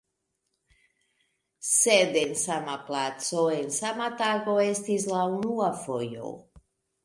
Sed en sama placo, en sama tago estis la unua fojo.